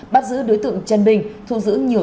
bắt giữ đối tượng trần bình thu giữ nhiều